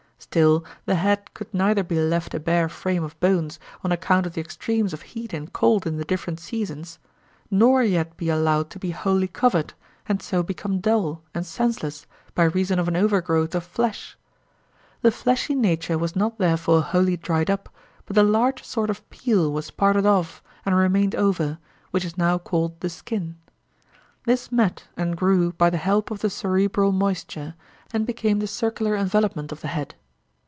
Still the head could neither be left a bare frame of bones, on account of the extremes of heat and cold in the different seasons, nor yet be allowed to be wholly covered, and so become dull and senseless by reason of an overgrowth of flesh. The fleshy nature was not therefore wholly dried up, but a large sort of peel was parted off and remained over, which is now called the skin. This met and grew by the help of the cerebral moisture, and became the circular envelopment of the head.